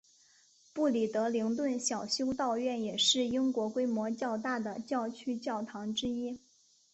布里德灵顿小修道院也是英国规模较大的教区教堂之一。